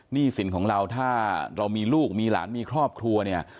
หนี้สินของเราถ้าเรามีลูกมีหลานมีครอบครัว